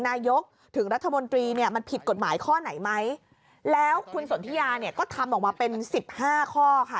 นายกถึงรัฐมนตรีเนี่ยมันผิดกฎหมายข้อไหนไหมแล้วคุณสนทิยาเนี่ยก็ทำออกมาเป็นสิบห้าข้อค่ะ